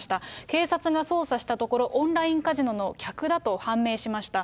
警察が捜査したところ、オンラインカジノの客だと判明しました。